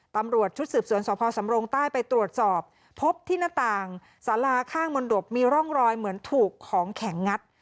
ตำรวจชุดสืบสวนสพสำรงใต้ไปตรวจสอบพบที่หน้าต่างสาราข้างมนตบมีร่องรอยเหมือนถูกของแข็งงัด